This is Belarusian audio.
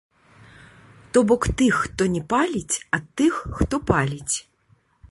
То бок тых, хто не паліць, ад тых, хто паліць.